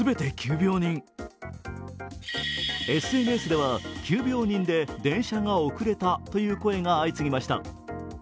ＳＮＳでは、急病人で電車が遅れたという声が相次ぎました。